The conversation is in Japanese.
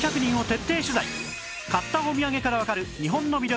買ったお土産からわかる日本の魅力